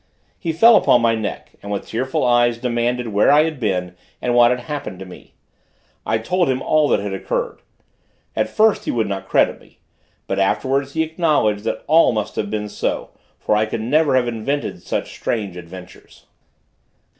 He fell upon my neck and with tearful eyes, demanded where I had been and what had happened to me. I told him all that had occurred. At first he would not credit me; but afterwards he acknowledged that all must have been so, for I could never have invented such strange adventures.